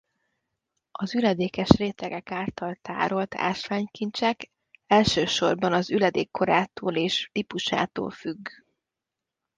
Az üledékes rétegek által tárolt ásványkincsek elsősorban az üledék korától és típusától függ.